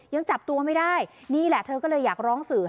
ยังจับตัวไม่ได้นี่แหละเธอก็เลยอยากร้องสื่อ